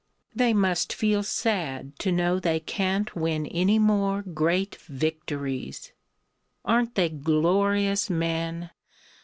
They must feel sad to know they can't win any more Great victories!... Aren't they glorious men?...